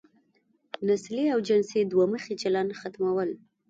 نسلي او جنسي دوه مخی چلن ختمول.